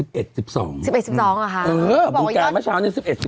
เบื้องกาลเมื่อเช้านี้๑๑๑๒